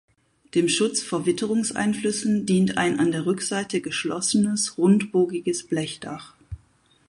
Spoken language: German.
Dem Schutz vor Witterungseinflüssen dient ein an der Rückseite geschlossenes rundbogiges Blechdach.